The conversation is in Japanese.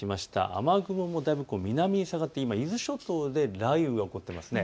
雨雲もだいぶ南に下がって今、伊豆諸島で雷雨が起こっています。